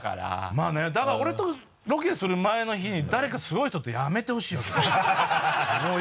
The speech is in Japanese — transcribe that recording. まぁねだから俺とロケする前の日に誰かすごい人とやめてほしいわけよ。